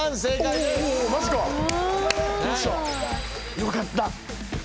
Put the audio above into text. よかった！